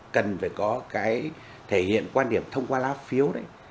cần phải có cái thể hiện quan điểm thông qua lá phiếu đấy